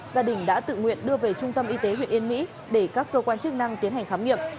gia đình đã tự nguyện đưa về trung tâm y tế huyện yên mỹ để các cơ quan chức năng tiến hành khám nghiệm